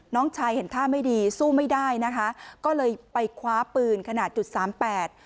น้องชายเห็นท่าไม่ดีสู้ไม่ได้นะคะก็เลยไปคว้าปืนขนาดจุดสามแปด